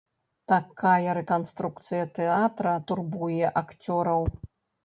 Такая рэканструкцыя тэатра турбуе акцёраў.